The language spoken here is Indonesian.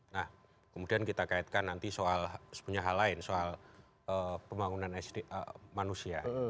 nah kemudian kita kaitkan nanti soal punya hal lain soal pembangunan manusia